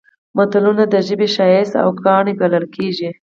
متلونه د ژبې ښایست او ګاڼه بلل کېږي